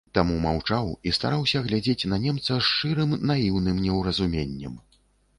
Таму маўчаў і стараўся глядзець на немца з шчырым наіўным неўразуменнем.